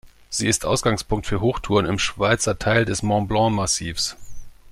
Sie ist Ausgangspunkt für Hochtouren im Schweizer Teil des Mont-Blanc-Massivs.